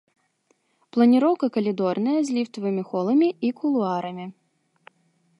Планіроўка калідорная, з ліфтавымі холамі і кулуарамі.